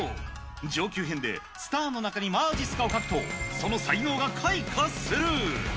上級編でスターの中にまじっすかを書くと、その才能が開花する。